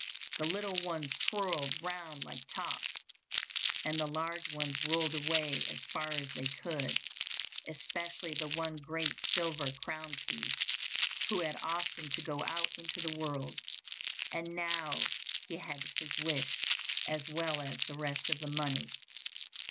The little ones twirled round like tops, and the large ones rolled away as far as they could, especially the one great silver crown piece who had often to go out into the world, and now he had his wish as well as all the rest of the money.